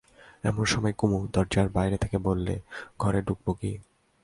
এমন সময় কুমু দরজার বাইরে থেকে বললে, ঘরে ঢুকব কি?